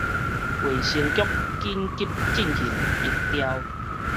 衛生局緊急進行疫調